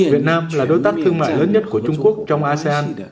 việt nam là đối tác thương mại lớn nhất của trung quốc trong asean